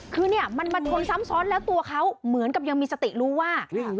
คือเนี่ยมันมาชนซ้ำซ้อนแล้วตัวเขาเหมือนกับยังมีสติรู้ว่า